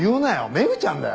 メグちゃんだよ！？